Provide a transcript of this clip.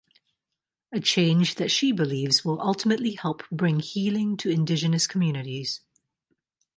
A change that she believes will ultimately help bring healing to Indigenous communities.